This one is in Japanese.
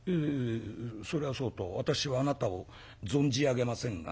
「それはそうと私はあなたを存じ上げませんが」。